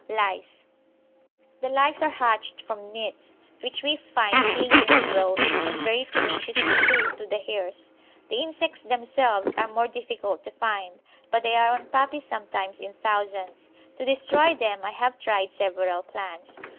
LICE. The lice are hatched from nits, which we find clinging in rows, and very tenaciously too, to the hairs. The insects themselves are more difficult to find, but they are on puppies sometimes in thousands. To destroy them I have tried several plans.